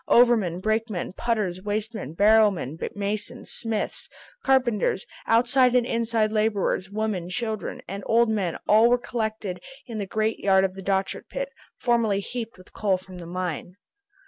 Overmen, brakemen, putters, wastemen, barrowmen, masons, smiths, carpenters, outside and inside laborers, women, children, and old men, all were collected in the great yard of the Dochart pit, formerly heaped with coal from the mine.